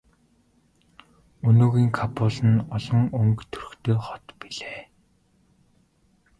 Өнөөгийн Кабул нь олон өнгө төрхтэй хот билээ.